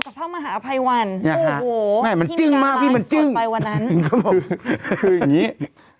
กับพระมหาภัยวันออุ้วโห้ไม่มันจึ๊งมากพี่มันจึ้งยังก็